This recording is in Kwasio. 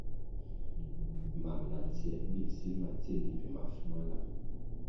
Mam na tsier bi nsíl ma tsendi mbpi mafu ma láng.